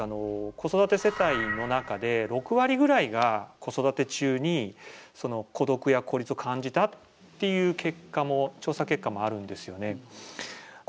子育て世帯の中で６割ぐらいが子育て中に孤独や孤立を感じたっていう調査結果もあるんですよね。